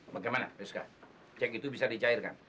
bagaimana rizka cek itu bisa dicairkan